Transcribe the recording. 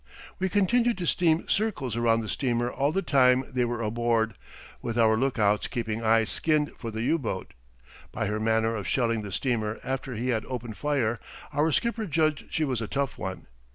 We continued to steam circles around the steamer all the time they were aboard, with our lookouts keeping eyes skinned for the U boat. By her manner of shelling the steamer after he had opened fire our skipper judged she was a tough one.